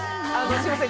すみません。